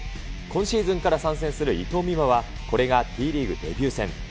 今シーズンから参戦する伊藤美誠は、これがＴリーグデビュー戦。